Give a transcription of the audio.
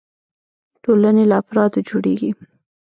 ټولنې له افرادو جوړيږي.